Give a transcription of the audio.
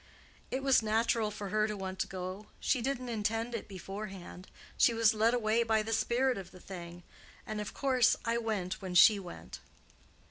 "It was natural for her to want to go: she didn't intend it beforehand—she was led away by the spirit of the thing. And, of course, I went when she went."